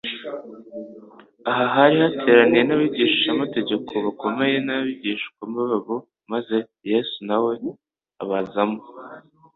Aha hari hateraniye abigishamategeko bakomeye n'abigishwa babo, maze Yesu na We abazamo